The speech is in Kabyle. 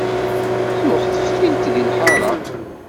Tuɣ teftilt di lḥara.